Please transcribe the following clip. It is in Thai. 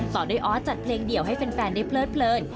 ต่อด้วยออสจัดเพลงเดี่ยวให้แฟนได้เพลิดเพลิน